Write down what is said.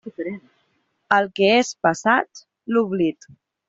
Al que és passat, l'oblit.